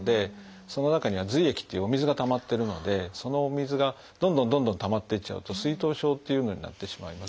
その中には「髄液」っていうお水がたまってるのでそのお水がどんどんどんどんたまっていっちゃうと「水頭症」というのになってしまいます。